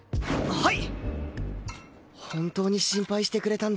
はい！